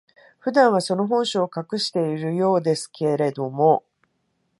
普段は、その本性を隠しているようですけれども、